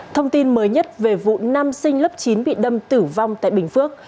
thông tin mới nhất về vụ nam sinh lớp chín bị đâm tử vong tại bình phước